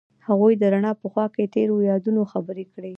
هغوی د رڼا په خوا کې تیرو یادونو خبرې کړې.